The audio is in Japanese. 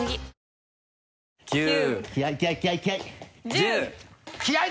１０。